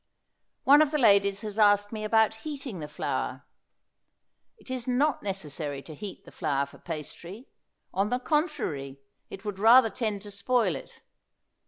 One of the ladies has asked me about heating the flour. It is not necessary to heat the flour for pastry, on the contrary, it would rather tend to spoil it.